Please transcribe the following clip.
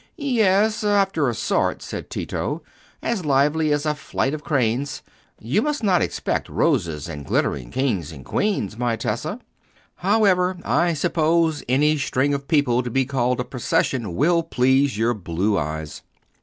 "Yes, after a sort," said Tito, "as lively as a flight of cranes. You must not expect roses and glittering kings and queens, my Tessa. However, I suppose any string of people to be called a procession will please your blue eyes.